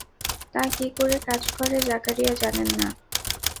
তা কি করে কাজ করে জাকারিয়া জানেন না।